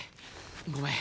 ごめん。